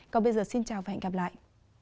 còn bây giờ xin chào và hẹn gặp lại